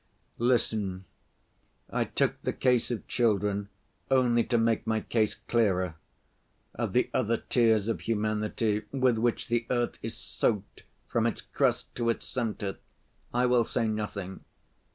"Listen! I took the case of children only to make my case clearer. Of the other tears of humanity with which the earth is soaked from its crust to its center, I will say nothing.